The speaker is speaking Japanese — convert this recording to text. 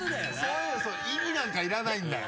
意味なんかいらないんだよ。